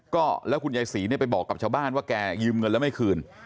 ก็แล้วคุณยายศรีเนี่ยไปบอกกับชาวบ้านว่าแกยืมเงินแล้วไม่คืน